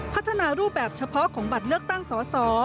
พัฒนารูปแบบเฉพาะของบัตรเลือกตั้งสอสอ